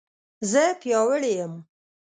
زه پیاوړې یم